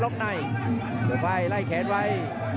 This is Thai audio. แล้วลบในเจอไพ่ไล่แขนไว่